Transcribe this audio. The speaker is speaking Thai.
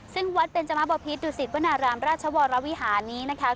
ซึ่งวัดเบนจมบพิษดุสิตวนารามราชวรวิหารนี้นะคะ